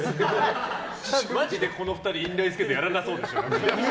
マジでこの２人インラインスケートやらなそうでしょ。